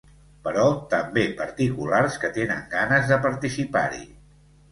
Però també particulars que tenen ganes de participar-hi.